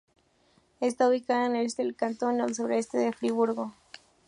Está ubicada en el este del cantón, a al sureste de Friburgo.